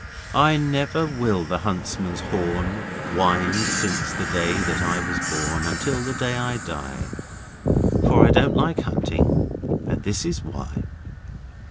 I never will the huntsman's horn Wind since the day that I was born Until the day I die For I don't like hunting, and this is why.